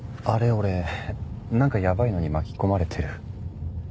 俺なんかやばいのに巻き込まれてる？